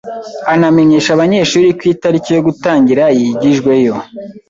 anamenyesha abanyeshuri ko itariki yo gutangira yigijweyo